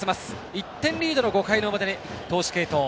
１点リードの５回表に投手継投。